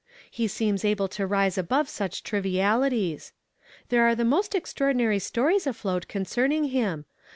He seems able to lise above such trivialities. There are the most exti'aordinarv stories afloat concernincr him.